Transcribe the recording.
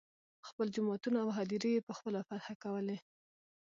خپل جوماتونه او هدیرې یې په خپله فتحه کولې.